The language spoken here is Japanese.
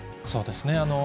そうですね。